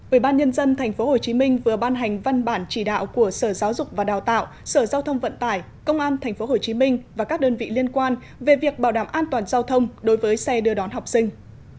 ubnd tp hcm vừa ban hành văn bản chỉ đạo của sở giáo dục và đào tạo sở giao thông vận tải công an tp hcm và các đơn vị liên quan về việc bảo đảm an toàn giao thông đối với xe đưa đón học sinh